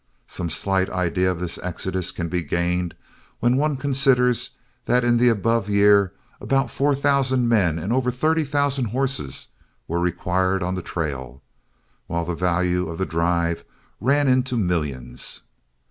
Some slight idea of this exodus can be gained when one considers that in the above year about four thousand men and over thirty thousand horses were required on the trail, while the value of the drive ran into millions.